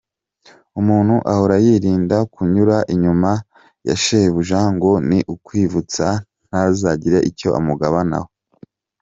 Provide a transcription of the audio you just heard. Umuntu ahora yirinda kunyura inyuma ya shebuja ngo ni ukwivutsa ntazagire icyo amugabanaho.